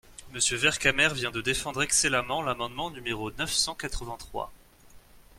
Monsieur Vercamer vient de défendre excellemment l’amendement numéro neuf cent quatre-vingt-trois.